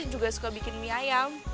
juga suka bikin mie ayam